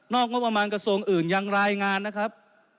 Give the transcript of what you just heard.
งบประมาณกระทรวงอื่นยังรายงานนะครับ